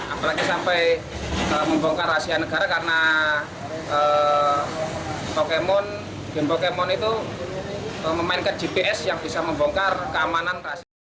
apalagi sampai membongkar rahasia negara karena game pokemon itu memainkan gps yang bisa membongkar keamanan rahasia